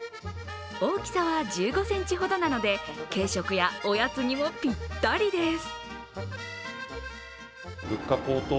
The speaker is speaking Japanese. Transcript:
大きさは１５ｃｍほどなので、軽食やおやつにもぴったりです。